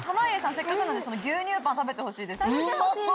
せっかくなんでその牛乳パン食べてほしいです。